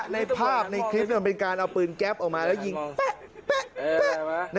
ในภาพในคลิปมันเป็นการเอาปืนแก๊ปออกมาแล้วยิงแป๊ะ